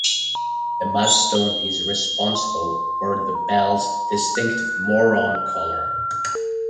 The mudstone is responsible for the Bells' distinctive maroon color.